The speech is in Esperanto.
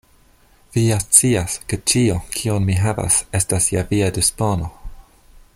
Vi ja scias, ke ĉio, kion mi havas, estas je via dispono.